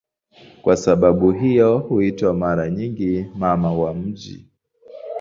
Kwa sababu hiyo huitwa mara nyingi "Mama wa miji".